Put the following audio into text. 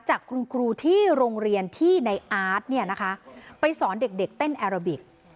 จากคุณครูที่โรงเรียนที่ในอาร์ตไปสอนเด็กเต้นแอโรบิก